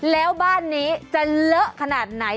แล้วบ้านนี้จะเลอะขนาดไหน